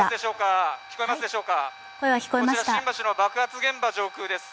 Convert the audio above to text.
こちら新橋の爆発現場上空です。